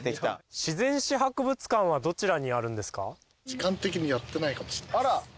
自然史博物館はどちらにあるんですか？